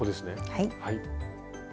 はい。